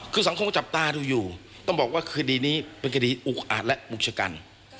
คือสังคมจับตาดูอยู่ต้องบอกว่าคดีนี้เป็นคดีอุกอาจและบุกชกัน